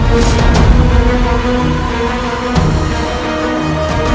kau ingin menangkan aku